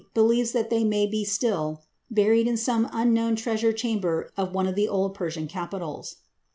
believes that they may be still "buried in some unknown treasure chamber of one of the old Persian capitals."